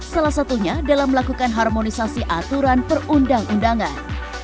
salah satunya dalam melakukan harmonisasi aturan perundang undangan